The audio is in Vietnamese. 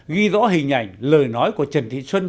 ghi rõ hình ảnh lời nói của trần thị xuân